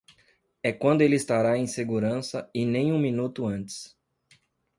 É quando ele estará em segurança e nem um minuto antes.